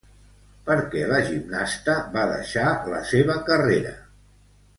Per què la gimnasta va deixar la seva carrera?